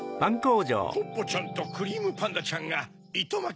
・ポッポちゃんとクリームパンダちゃんがいとまき